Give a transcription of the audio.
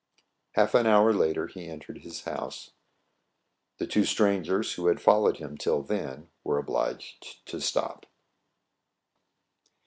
Half an hour later he entered his house. The two strangers, who had followed him till then, were obliged to stop.